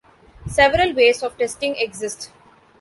Several ways of testing exist.